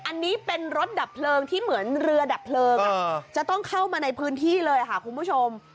อันนี้เป็นรถดับเพลิงที่เหมือนเรือดับเพลิงจะต้องเข้ามาในพื้นที่เลยค่ะคุณผู้ชม